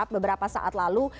beberapa saat lalu